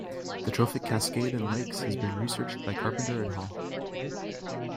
The trophic cascade in lakes has been researched by Carpenter and Hall.